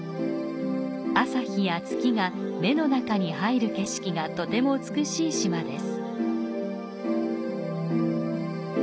朝日や月が目の中に入る景色がとても美しい島です。